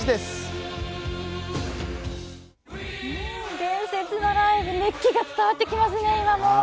伝説のライブ、熱気が伝わってきますね。